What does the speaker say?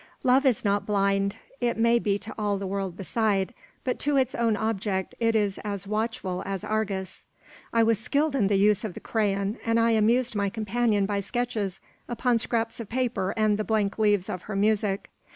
Love is not blind. It may be to all the world beside; but to its own object it is as watchful as Argus. I was skilled in the use of the crayon, and I amused my companion by sketches upon scraps of paper and the blank leaves of her music.